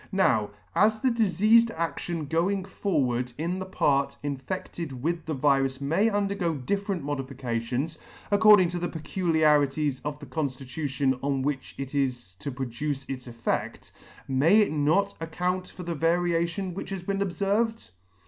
Now, as the difeafed adtion going forward in the part infedted with the virus may undergo different modifications, according to the peculiarities of the conflitution [ 1 36 ] conftitution on which it is to produce its effeCt, may it not account for the variation which has been obferved